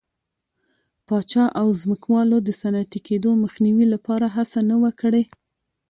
پاچا او ځمکوالو د صنعتي کېدو مخنیوي لپاره هڅه نه وه کړې.